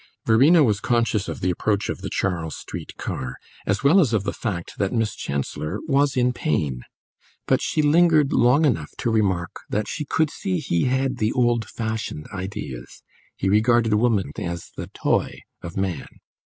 Verena was conscious of the approach of the Charles Street car, as well as of the fact that Miss Chancellor was in pain; but she lingered long enough to remark that she could see he had the old fashioned ideas he regarded woman as the toy of man.